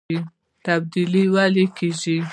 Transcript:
تبدیلي ولې کیږي؟